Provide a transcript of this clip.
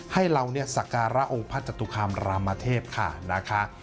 ให้เราเนี่ยศักราโองพัฒน์จตุครามอรามาเทพศ์ค่ะนะคะ